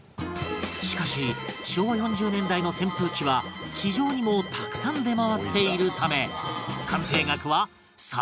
しかし昭和４０年代の扇風機は市場にもたくさん出回っているため鑑定額は